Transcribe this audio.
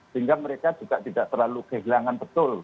sehingga mereka juga tidak terlalu kehilangan betul